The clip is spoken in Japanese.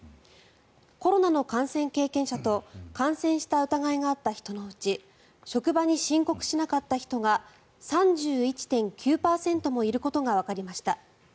コロナの感染経験者と感染した疑いがあった人のうち職場に申告しなかった人が３１．９％もいることがわかりました。